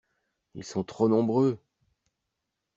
Ils sont trop nombreux.